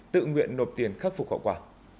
tự nguyện nộp tiền khắc phục khẩu quả